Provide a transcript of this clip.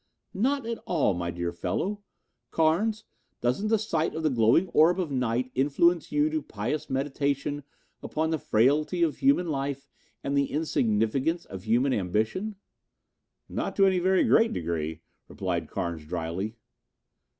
"Not at all, my dear fellow. Carnes, doesn't the sight of the glowing orb of night influence you to pious meditation upon the frailty of human life and the insignificance of human ambition?" "Not to any very great degree," replied Carnes dryly.